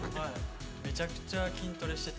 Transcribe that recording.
めちゃくちゃ筋トレしてて。